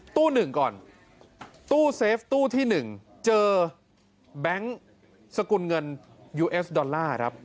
ตู้หนึ่งก่อนตู้เซฟตู้ที่หนึ่งเจอแบงค์สกุลเงินยูเอสดอลลาร์